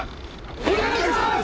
お願いします！